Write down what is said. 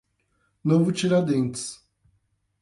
Novo Tiradentes